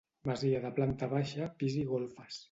Masia de planta baixa, pis i golfes.